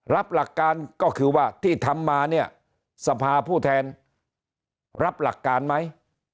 หลักการก็คือว่าที่ทำมาเนี่ยสภาผู้แทนรับหลักการไหม